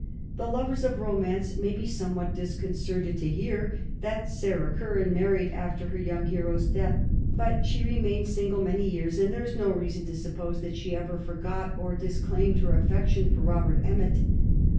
The lovers of romance may be somewhat disconcerted to hear that Sarah Curran married after her young hero's death; but she remained single many years, and there is no reason to suppose that she ever forgot or disclaimed her affection for Robert Emmet.